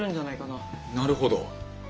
なるほど！